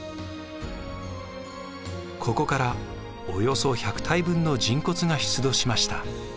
ここからおよそ１００体分の人骨が出土しました。